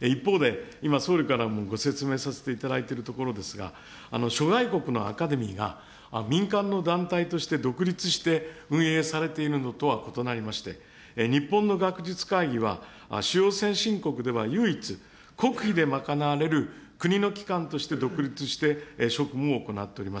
一方で、今、総理からもご説明させていただいているところですが、諸外国のアカデミーが民間の団体として独立して運営されているのとは異なりまして、日本の学術会議は、主要先進国では唯一、国費で賄われる国の機関として独立して、職務を行っております。